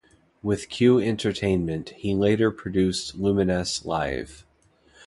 With Q Entertainment, he later produced Lumines Live!